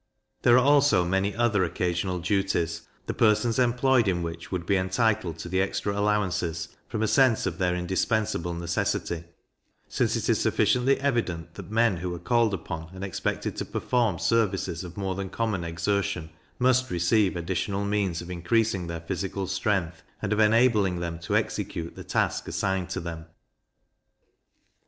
There are also many other occasional duties, the persons employed in which would be entitled to the extra allowances, from a sense of their indispensable necessity, since it is sufficiently evident that men who are called upon and expected to perform services of more than common exertion, must receive additional means of increasing their physical strength, and of enabling them to execute the task assigned to them.